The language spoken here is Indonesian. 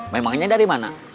memangnya dari mana